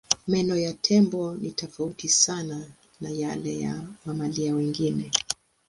Meno ya tembo ni tofauti sana na yale ya mamalia wengine.